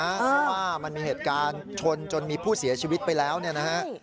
เพราะว่ามันมีเหตุการณ์ชนจนมีผู้เสียชีวิตไปแล้วเนี่ยนะฮะ